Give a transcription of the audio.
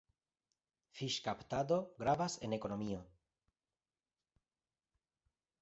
Fiŝkaptado gravas en ekonomio.